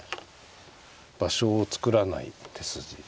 場所を作らない手筋です。